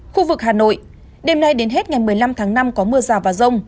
khu vực hà nội đêm nay đến hết ngày một mươi năm tháng năm có mưa rào và rông